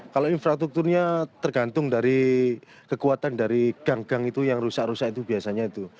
kalau infrastrukturnya tergantung dari kekuatan dari gang gang itu yang rusak rusak itu biasanya itu